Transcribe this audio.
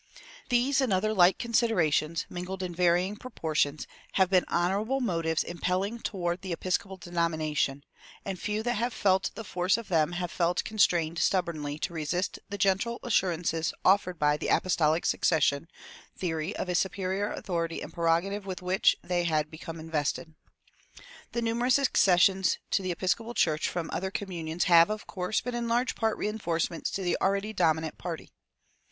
These and other like considerations, mingled in varying proportions, have been honorable motives impelling toward the Episcopal denomination; and few that have felt the force of them have felt constrained stubbornly to resist the gentle assurances offered by the "apostolic succession" theory of a superior authority and prerogative with which they had become invested. The numerous accessions to the Episcopal Church from other communions have, of course, been in large part reinforcements to the already dominant party.